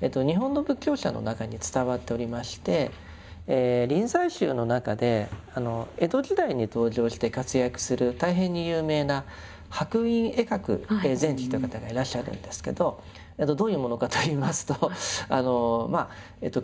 日本の仏教者の中に伝わっておりまして臨済宗の中で江戸時代に登場して活躍する大変に有名な白隠慧鶴禅師という方がいらっしゃるんですけどどういうものかといいますとあのまあ教説としてはですね